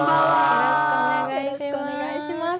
よろしくお願いします。